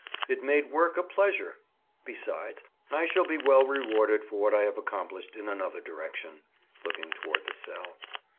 It made work a pleasure. Besides, I shall be well rewarded for what I have accomplished in another direction." Looking toward the cell.